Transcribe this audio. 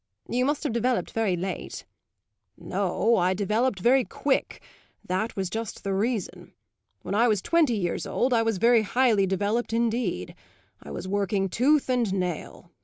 "You must have developed very late." "No, I developed very quick; that was just the reason. When I was twenty years old I was very highly developed indeed. I was working tooth and nail.